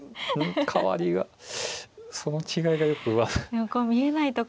変わりがその違いがよく分からない。